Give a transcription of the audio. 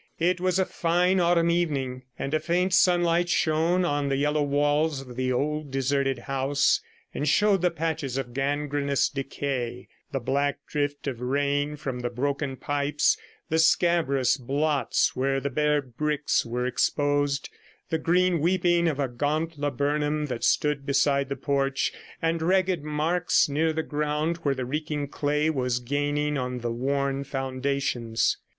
It was a fine autumn evening, and a faint sunlight shone on the yellow walls of the old deserted house, and showed the patches of gangrenous decay, the black drift of rain from the broken pipes, the scabrous blots where the bare bricks were exposed, the green weeping of a gaunt laburnum that stood beside the porch, and ragged marks near the ground where the reeking clay was gaining on the worn foundations.